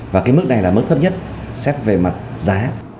và cái mức này là mức thấp nhất xét về mặt giá